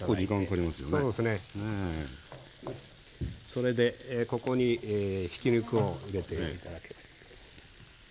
それでここにひき肉を入れて頂けると。